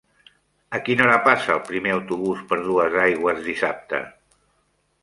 A quina hora passa el primer autobús per Duesaigües dissabte?